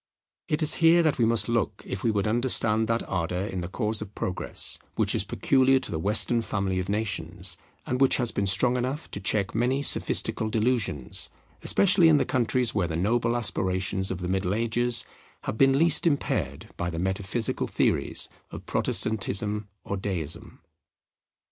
It is here that we must look if we would understand that ardour in the cause of Progress which is peculiar to the Western family of nations, and which has been strong enough to check many sophistical delusions, especially in the countries where the noble aspirations of the Middle Ages have been least impaired by the metaphysical theories of Protestantism or Deism.